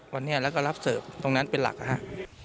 วันนี้เราก็รับเสิร์ฟตรงนั้นเป็นหลักนะฮะ